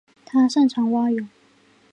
他擅长蛙泳。